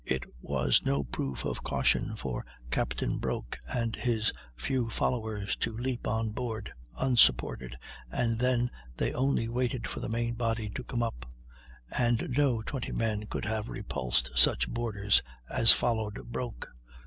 It was no proof of caution for Captain Broke and his few followers to leap on board, unsupported, and then they only waited for the main body to come up; and no twenty men could have repulsed such boarders as followed Broke.